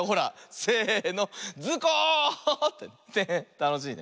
たのしいね。